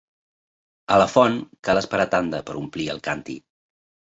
A la font cal esperar tanda per a omplir el càntir.